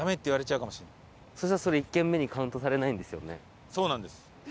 そしたらそれ１軒目にカウントされないんですよね？